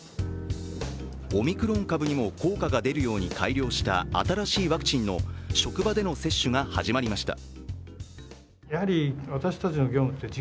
オミクロン株にも効果が出るように改良した新しいワクチンの職場での接種が始まりました。